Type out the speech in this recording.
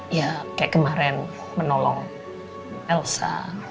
ya kayak kemarin menolong elsa